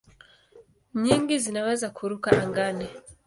Nyingi zinaweza kuruka angani.